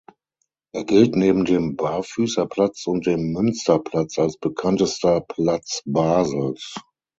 Er gilt neben dem Barfüsserplatz und dem Münsterplatz als bekanntester Platz Basels.